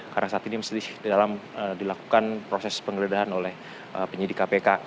karena saat ini dalam dilakukan proses penggeledahan oleh penyidik kpk